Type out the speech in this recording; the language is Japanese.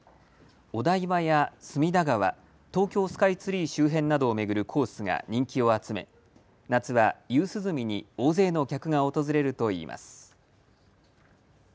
お台場や隅田川、東京スカイツリー周辺などを巡るコースが人気を集め夏は夕涼みに大勢の客が訪れるといいます。